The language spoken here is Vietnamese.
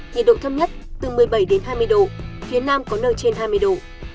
nhiệt độ thấp nhất từ một mươi bảy đến hai mươi độ phía nam có nơi trên hai mươi độ